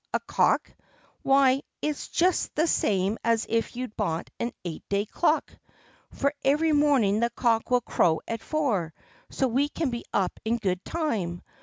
A cock! Why, it's just the same as if you'd bought an eight day clock, for every morning the cock will crow at four, so we can be up in good time.